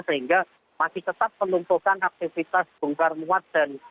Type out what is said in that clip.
sehingga masih tetap penumpukan aktivitas bungkus